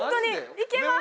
いけます！